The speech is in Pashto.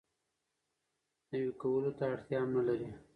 نوي کولو ته اړتیا هم نه لري.